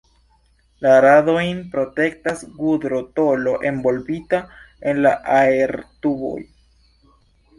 La radojn protektas gudro-tolo, envolvita en la aertuboj.